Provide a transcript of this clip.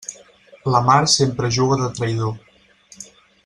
La mar sempre juga de traïdor.